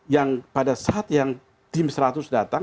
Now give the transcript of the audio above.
yang pada saat yang tim seratus datang